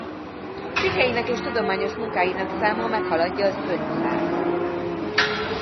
Cikkeinek és tudományos munkáinak száma meghaladja az ötszázat.